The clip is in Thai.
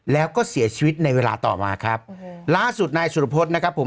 แล้วก็เสียชีวิตในเวลาต่อมาครับล่าสุดนายสุรพฤษนะครับผม